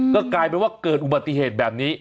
ก็กลายเป็นว่าเกิดอุบัติเหตุแบบนี้